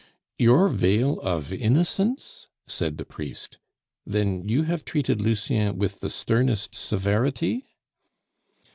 "Your veil of innocence?" said the priest. "Then you have treated Lucien with the sternest severity?"